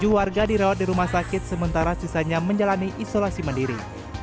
tujuh warga dirawat di rumah sakit sementara sisanya menjalani isolasi mandiri